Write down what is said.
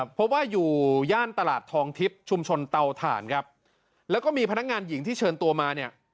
เพราะว่าอยู่ย่านตลาดทองทิพย์ชุมชนเตาถ่านครับแล้วก็มีพนักงานหญิงที่เชิญตัวมาเนี่ย